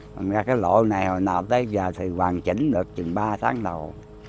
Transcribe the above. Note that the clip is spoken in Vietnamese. thành ra cái lỗ này hồi nào tới giờ thì hoàn chỉnh được chừng ba tháng đầu